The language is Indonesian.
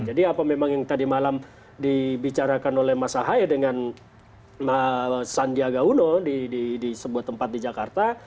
jadi apa memang yang tadi malam dibicarakan oleh mas sahai dengan sandiaga uno di sebuah tempat di jakarta